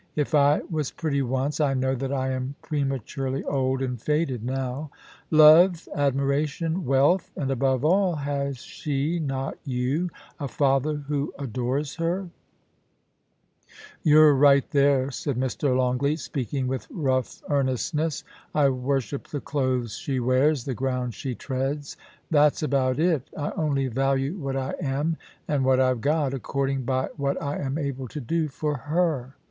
If I was pretty once, I know that I am prema turely old and faded now — love, admiration, wealth ; and above all, has she not you — a father who adores her ?* 'You're right there,' said Mr. Longleat, speaking with rough earnestness. * I worship the clothes she wears — the ground she treads. That's about it I only value what I am and what I've got, according by what I am able to do for her.